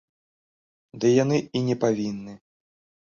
Ды яны і не павінны.